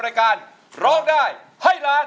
เพื่อจะไปชิงรางวัลเงินล้าน